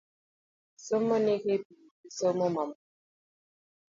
Somoni ka ipimo gi somo mamoko .